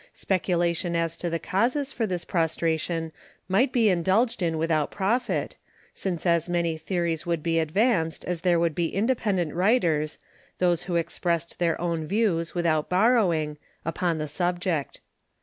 Speculation as to the causes for this prostration might be indulged in without profit, because as many theories would be advanced as there would be independent writers those who expressed their own views without borrowing upon the subject.